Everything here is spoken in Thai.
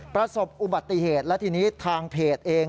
ประสบอุบัติเหตุและทีนี้ทางเพจเอง